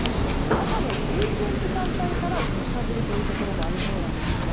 朝の通勤時間帯から土砂降りのところもありそうなんです。